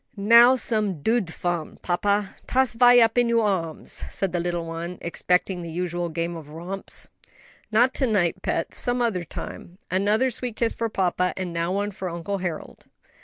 "Now some dood fun, papa: toss Vi up in oo arms," said the little one, expecting the usual game of romps. "Not to night, pet; some other time. Another sweet kiss for papa, and now one for Uncle Harold."